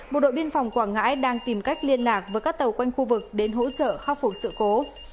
bộ đội biên phòng quảng ngãi đang tìm cách liên lạc với các tàu quanh khu vực đến hỗ trợ khắc phục sự cố